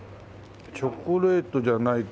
チョコレートじゃないか。